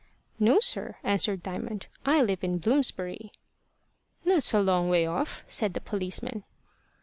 "No sir" answered Diamond. "I live in Bloomsbury." "That's a long way off," said the policeman.